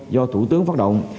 do thủ tướng phát động